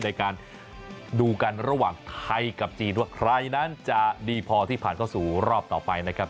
ในการดูกันระหว่างไทยกับจีนว่าใครนั้นจะดีพอที่ผ่านเข้าสู่รอบต่อไปนะครับ